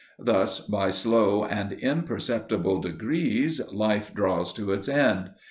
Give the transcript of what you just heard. Thus, by slow and imperceptible degrees life draws to its end.